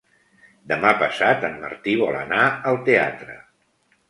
Demà passat en Martí vol anar al teatre.